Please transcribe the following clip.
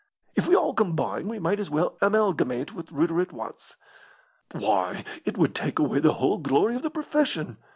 If we all combine we might as well amalgamate with Reuter at once." "Why, it would take away the whole glory of the profession!"